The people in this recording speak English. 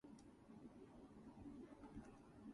This is called the "power-limited regime".